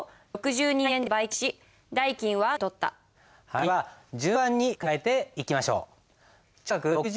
では順番に考えていきましょう。